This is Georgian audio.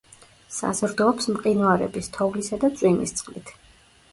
საზრდოობს მყინვარების, თოვლისა და წვიმის წყლით.